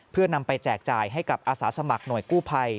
เพื่อนำไปแจกจ่ายให้กับอาสาสมัครหน่วยกู้ภัย